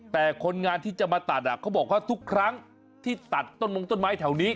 แต่คนงานที่จะมาตัดเขาบอกว่าทุกครั้งที่ตัดต้นมงต้นไม้แถวนี้